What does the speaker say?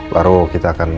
baru kita akan